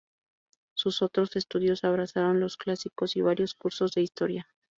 Sus otros estudios abrazaron los Clásicos y varios cursos de historia.